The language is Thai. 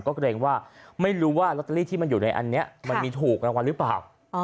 ก็เกรงว่าไม่รู้ว่าลอตเตอรี่ที่มันอยู่ในอันนี้มันมีถูกรางวัลหรือเปล่า